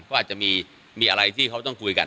ก็อาจจะมีอะไรที่เขาต้องคุยกัน